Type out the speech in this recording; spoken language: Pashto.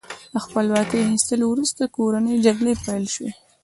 د خپلواکۍ اخیستلو وروسته کورنۍ جګړې پیل شوې.